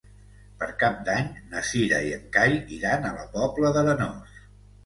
Per Cap d'Any na Cira i en Cai iran a la Pobla d'Arenós.